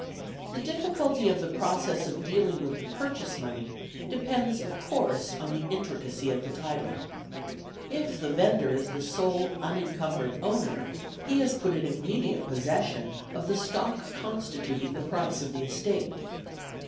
The difficulty of the process of dealing with the purchase money depends, of course, on the intricacy of the title. If the vendor is the sole unencumbered owner, he is put in immediate possession of the stock constituting the price of the estate.